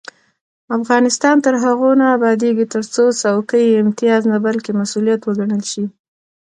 افغانستان تر هغو نه ابادیږي، ترڅو څوکۍ امتیاز نه بلکې مسؤلیت وګڼل شي.